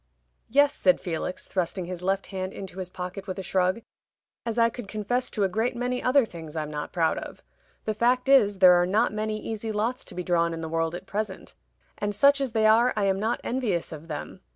"Yes," said Felix, thrusting his left hand into his pocket, with a shrug; "as I could confess to a great many other things I'm not proud of. The fact is, there are not many easy lots to be drawn in the world at present; and such as they are I am not envious of them.